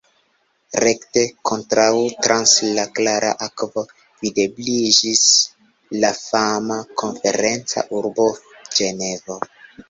Rekte kontraŭe trans la klara akvo videbliĝis la fama konferenca urbo Ĝenevo.